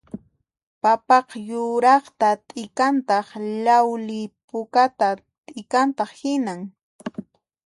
Papaqa yuraqta t'ikantaq llawli pukata t'ikantaq hinan